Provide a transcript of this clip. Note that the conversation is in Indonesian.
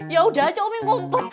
yaudah aja umi ngumpul